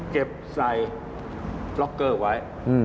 เก็บใส่ล็อกเกอร์ไว้